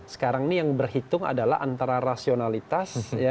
sekarang ini yang berhitung adalah antara rasionalitas